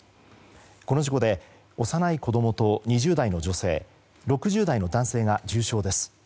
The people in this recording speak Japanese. この事故で幼い子供と２０代の女性６０代の男性が重傷です。